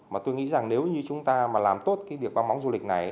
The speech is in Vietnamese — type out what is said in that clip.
mà tôi nghĩ rằng nếu như chúng ta mà làm tốt cái việc văn bóng du lịch này